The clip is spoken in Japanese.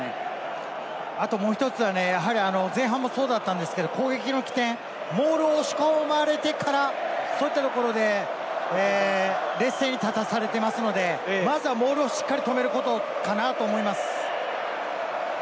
もう１つは、前半もそうだったんですけれども、攻撃の起点、モール押し込まれてからそういったところで劣勢に立たされていますので、まずはモールをしっかり止めることかなと思います。